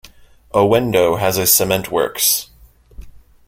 Owendo has a cement works.